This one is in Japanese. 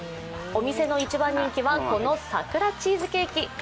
お店の一番人気はこのさくらチーズケーキ。